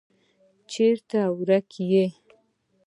چیرته ورک یې.